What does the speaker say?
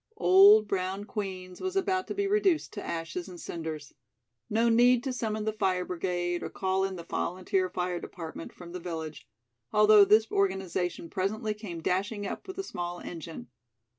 Old brown Queen's was about to be reduced to ashes and cinders! No need to summon the fire brigade or call in the volunteer fire department from the village, although this organization presently came dashing up with a small engine.